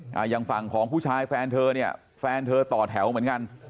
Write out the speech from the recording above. อย่างฝั่งของผู้ชายแฟนเธอเนี่ยแฟนเธอต่อแถวเหมือนกัน